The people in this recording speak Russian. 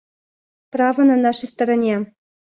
Право на нашей стороне.